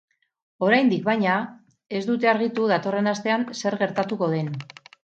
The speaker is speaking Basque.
Oraindik, baina, ez dute argitu datorren astean zer gertatuko den.